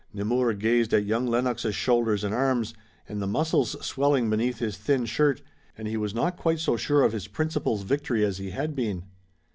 Nemours gazed at young Lennox's shoulders and arms, and the muscles swelling beneath his thin shirt, and he was not quite so sure of his principal's victory as he had been.